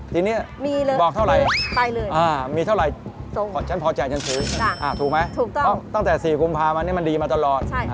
ปีนี้บอกเท่าไหร่อ่ามีเท่าไหร่ฉันพอใจฉันถูกถูกไหมตั้งแต่๔กุมภาคมันนี่มันดีมาตลอด